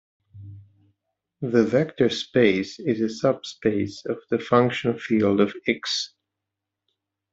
The vector space is a subspace of the function field of X.